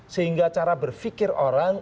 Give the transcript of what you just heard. sehingga cara berfikir orang